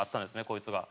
こいつが。